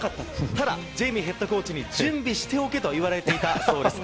ただ、ジェイミーヘッドコーチに準備しておけと言われていたそうです。